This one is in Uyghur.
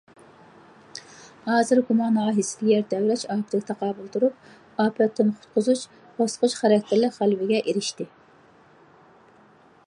ھازىر گۇما ناھىيەسىدىكى يەر تەۋرەش ئاپىتىگە تاقابىل تۇرۇپ، ئاپەتتىن قۇتقۇزۇش باسقۇچ خاراكتېرلىك غەلىبىگە ئېرىشتى.